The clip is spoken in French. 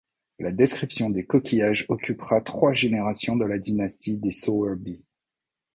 La description des coquillages occupera trois générations de la dynastie des Sowerby.